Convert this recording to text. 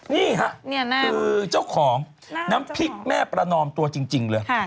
นี่ค่ะคือเจ้าของน้ำพริกแม่ประนอมตัวจริงเลย